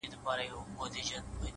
دا ستا دسرو سترگو خمار وچاته څه وركوي؛